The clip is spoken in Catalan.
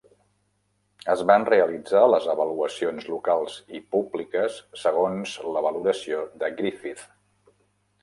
Es van realitzar les avaluacions locals i públiques segons la valoració de Griffith.